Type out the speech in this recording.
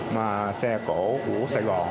mà xe cổ của sài gòn